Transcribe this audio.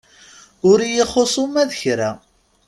Ur iyi-ixus uma d kra.